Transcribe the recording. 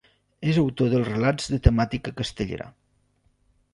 És autor de relats de temàtica castellera.